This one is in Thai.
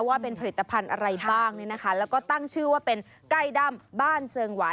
ว่าเป็นผลิตภัณฑ์อะไรบ้างเนี่ยนะคะแล้วก็ตั้งชื่อว่าเป็นไก่ดำบ้านเซิงหวาย